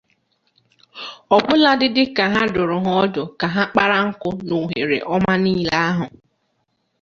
ọbụladị dịka ha dụrụ ha ọdụ ka ha kpara nkụ n'ohere ọma niile ahụ